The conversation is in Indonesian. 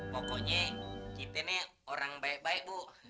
pokoknya kita nih orang baik baik bu